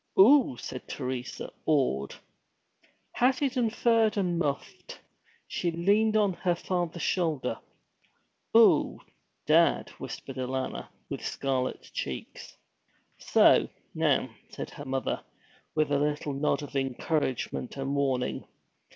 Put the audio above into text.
'Oo!' said Teresa, awed. Hatted, furred, and muffed, she leaned on her father's shoulder. 'Oo dad!' whispered Alanna, with scarlet cheeks. 'So now!' said her mother, with a little nod of encouragement and warning.